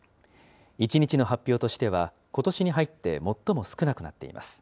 １日の発表としては、ことしに入って最も少なくなっています。